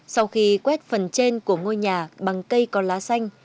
sau khi quét phần trên của ngôi nhà bằng cây có lá xanh